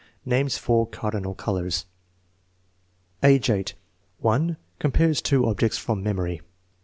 Names four cardinal colors. Atjr #: 1. Compares two objects from memory.